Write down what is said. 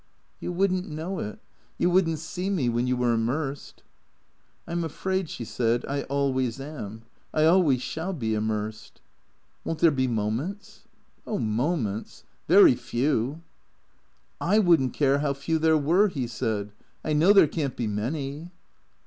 " You would n't know it. You would n't see me — when you were immersed." " I 'm afraid," she said, " I always am, I always shall be — immersed." " Won't there be moments ?"" Oh, moments ! Very few." " I would n't care how few there were," he said. " I know there can't be many."